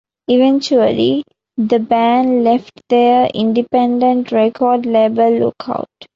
Eventually, the band left their independent record label Lookout!